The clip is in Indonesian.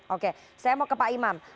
oke saya mau ke pak imam